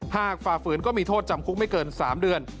ฝ่าฝืนก็มีโทษจำคุกไม่เกิน๓เดือน